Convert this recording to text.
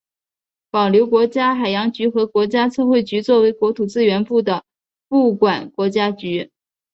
保留国家海洋局和国家测绘局作为国土资源部的部管国家局。